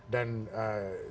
dan saya percaya